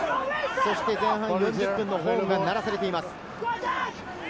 前半４０分のホーンが鳴らされています。